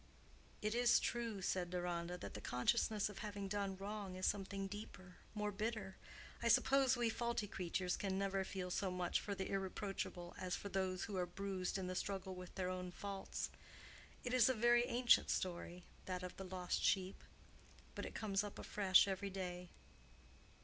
"It is true," said Deronda, "that the consciousness of having done wrong is something deeper, more bitter. I suppose we faulty creatures can never feel so much for the irreproachable as for those who are bruised in the struggle with their own faults. It is a very ancient story, that of the lost sheep—but it comes up afresh every day."